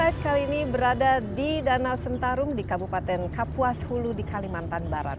saya kali ini berada di danau sentarum di kabupaten kapuas hulu di kalimantan barat